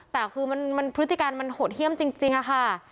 แต่คือมันมันพฤติการมันหดเฮี่ยมจริงจริงค่ะค่ะ